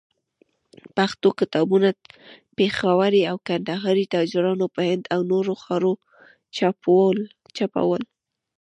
پښتو کتابونه، پېښوري او کندهاري تاجرانو په هند او نورو ښارو چاپول.